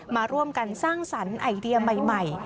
มาร่วมกันสร้างสรรค์ไอเดียใหม่